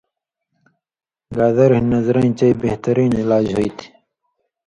گازریۡ ہِن نظرَیں چئ بہتہۡرین علاج ہُوئ تھی